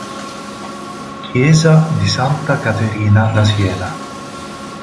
Chiesa di Santa Caterina da Siena